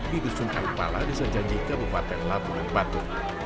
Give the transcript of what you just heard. di dusun aikpala desa janji ke bupaten labuhan batu